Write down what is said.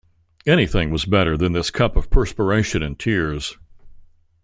Anything was better than this cup of perspiration and tears.